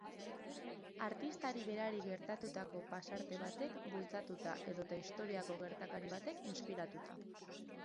Artistari berari gertatutako pasarte batek bultzatuta edota historiako gertakari batek inspiratuta.